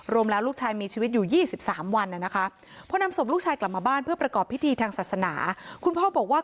รวมแล้วลูกชายมีชีวิตอยู่๒๓วันนะคะพอนำศพลูกชายกลับมาบ้านเพื่อประกอบพิธีทางศาสนาคุณพ่อบอกว่า